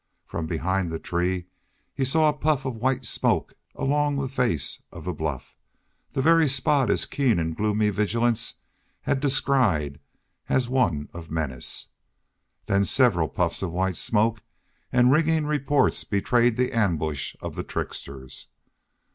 From behind the tree he saw a puff of white smoke along the face of the bluff the very spot his keen and gloomy vigilance had descried as one of menace. Then several puffs of white smoke and ringing reports betrayed the ambush of the tricksters.